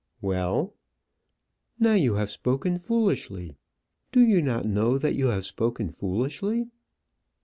"Well " "Now you have spoken foolishly. Do you not know that you have spoken foolishly?"